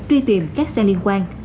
truy tìm các xe liên quan